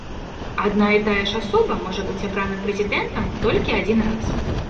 Адна і тая ж асоба можа быць абрана прэзідэнтам толькі адзін раз.